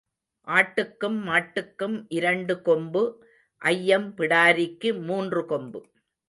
ஆட்டுக்கும் மாட்டுக்கும் இரண்டு கொம்பு ஐயம் பிடாரிக்கு மூன்று கொம்பு.